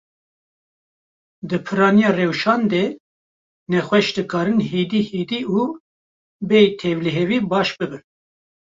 Di piraniya rewşan de, nexweş dikarin hêdî hêdî û bêy tevlihevî baş bibin.